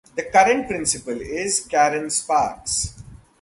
The current principal is Karen Sparks.